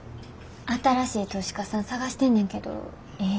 新しい投資家さん探してんねんけどええ